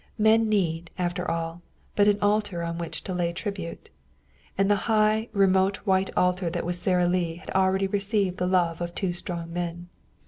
Men need, after all, but an altar on which to lay tribute. And the high, remote white altar that was Sara Lee had already received the love of two strong men.